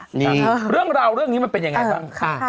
เรื่องราวเรื่องนี้มันเป็นยังไงบ้างค่ะ